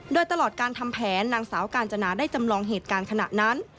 โดยตลอดการทำแผนนางสาวกาญจนาได้จำลองเหตุการณ์ขณะนั้น